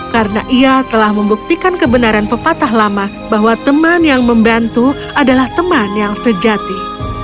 karena ia telah membuktikan kebenaran pepatah lama bahwa teman yang membantu adalah teman yang sejati